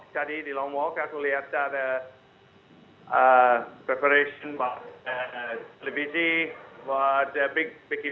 tadi di long walk aku lihat ada preparation park televisi ada big screen